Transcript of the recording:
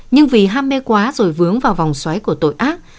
nhưng vì ham mê quá rồi vướng vào vòng xoáy của tội ác